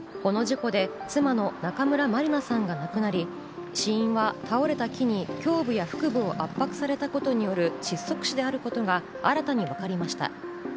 この事故で妻の中村まりなさんが亡くなり、死因は倒れた木に胸部や腹部を圧迫されたことによる窒息死であることが新たに分かりました。